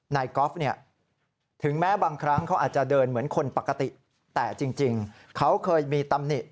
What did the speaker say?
กอล์ฟเนี่ยถึงแม้บางครั้งเขาอาจจะเดินเหมือนคนปกติแต่จริงเขาเคยมีตำหนิ